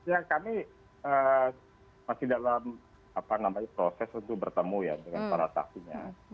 ya kami masih dalam proses untuk bertemu ya dengan para saksinya